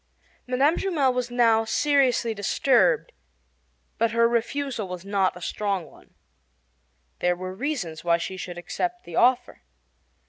Mme. Jumel was now seriously disturbed, but her refusal was not a strong one. There were reasons why she should accept the offer.